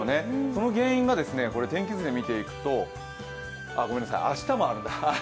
その原因が天気図で見ていくと明日も雨だ。